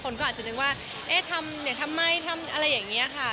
คนก็อาจจะนึกว่าทำไม่ทำอะไรอย่างนี้ค่ะ